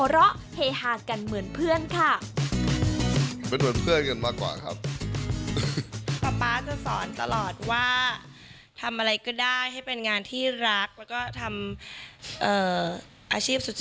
เราก็ทำให้ดีที่สุด